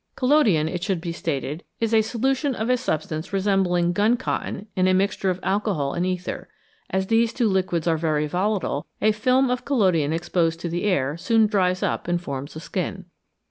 Collodion, it should be stated, is a solution of a sub stance resembling gun cotton in a mixture of alcohol and ether ; as these two liquids are very volatile, a film of collodion exposed to the air soon dries up and forms a skin.